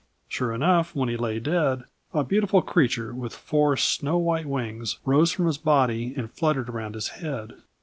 Sure enough, when he lay dead, a beautiful creature "with four snow white wings" rose from his body and fluttered round his head.